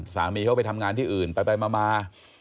สามีเขาไปทำงานที่อื่นไปมา